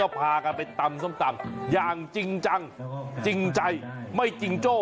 พากันไปตำส้มตำอย่างจริงจังจริงใจไม่จริงโจ้